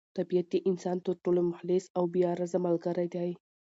طبیعت د انسان تر ټولو مخلص او بې غرضه ملګری دی.